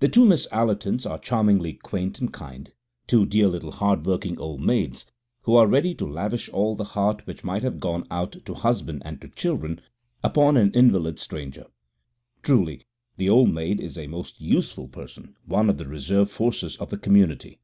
The two Miss Allertons are charmingly quaint and kind, two dear little hard working old maids, who are ready to lavish all the heart which might have gone out to husband and to children upon an invalid stranger. Truly, the old maid is a most useful person, one of the reserve forces of the community.